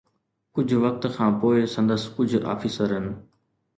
ڪجهه وقت کان پوءِ سندس ڪجهه آفيسرن